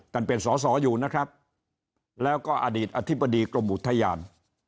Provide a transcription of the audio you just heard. เป็นสอสออยู่นะครับแล้วก็อดีตอธิบดีกรมอุทยาน